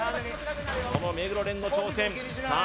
その目黒蓮の挑戦さあ